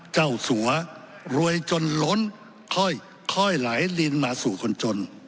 เจ้าสัวรวยจนล้นค่อยไหลลินมาสู่คนจน